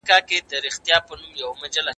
ایا ډاکټر زیار د موضوع مخینه کتلې ده؟